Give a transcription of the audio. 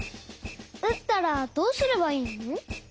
うったらどうすればいいの？